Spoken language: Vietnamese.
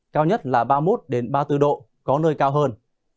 cao nhất là ba mươi một ba mươi bốn độ có nơi cao hơn